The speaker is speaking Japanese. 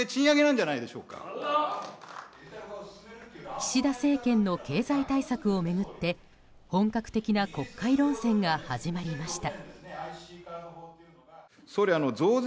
岸田政権の経済対策を巡って本格的な国会論戦が始まりました。